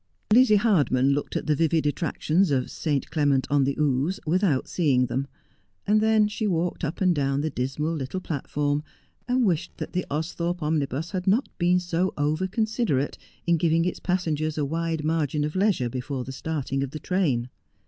Lizzie Hardman looked at the vivid attractions of St. Clement on the Ouse without seeing them ; and then she walked up and down the dismal little platform, and wished that the Austhorpe omnibus had not been so over considerate in giving its passengers a wide margin of leisure before the startiug of the train.